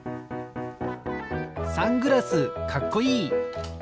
サングラスかっこいい！